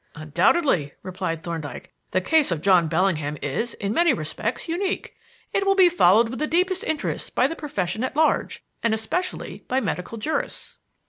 "Undoubtedly," replied Thorndyke. "The case of John Bellingham is, in many respects, unique. It will be followed with the deepest interest by the profession at large, and especially by medical jurists."